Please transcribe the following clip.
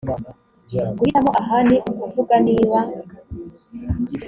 guhitamo aha ni ukuvuga niba